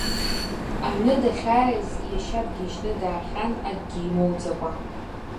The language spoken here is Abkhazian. Аҩны дахьааиз, иашьа дгьежьны даахьан акгьы имоуӡакәа.